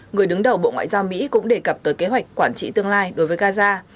người đứng đầu bộ ngoại giao mỹ cũng đề cập tới kế hoạch quản trị tương lai đối với gaza